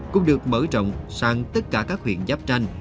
cũng được mở rộng sang tất cả các huyện giáp tranh